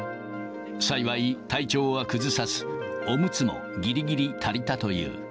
幸い体調は崩さず、おむつもぎりぎり足りたという。